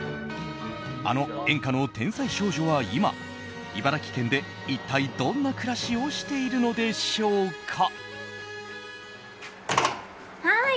あの演歌の天才少女は今、茨城県で一体どんな暮らしをしているのでしょうか。